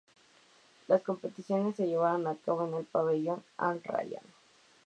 Las competiciones se llevaron a cabo en el Pabellón al-Rayyan.